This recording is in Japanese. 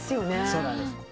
そうなんです。